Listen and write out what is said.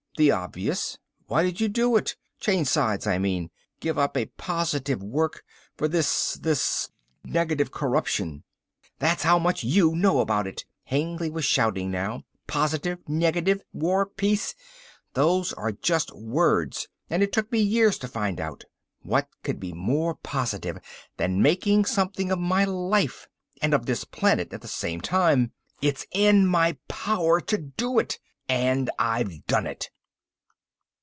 "The obvious. Why did you do it? Change sides I mean. Give up a positive work, for this ... this negative corruption...." "That's how much you know about it." Hengly was shouting now. "Positive, negative. War, peace. Those are just words, and it took me years to find it out. What could be more positive than making something of my life and of this planet at the same time. It's in my power to do it, and I've done it."